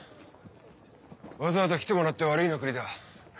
わざわざ来てもらって悪いな栗田。